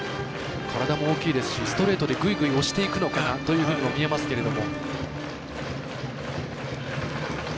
体も大きいですしストレートでぐいぐい押していくのかなという部分は見えますけど。